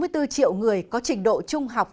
một trăm sáu mươi bốn triệu người có trình độ trung học